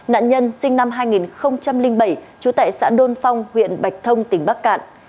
nạn nhân sinh năm hai nghìn bảy trú tại xã đôn phong huyện bạch thông tỉnh bắc cạn